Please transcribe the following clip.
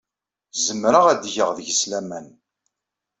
Zemreɣ ad geɣ deg-s laman.